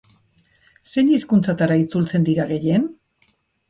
Zein hizkuntzatara itzultzen dira gehien?